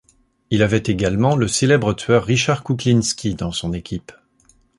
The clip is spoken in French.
Il avait également le célèbre tueur Richard Kuklinski dans son équipe.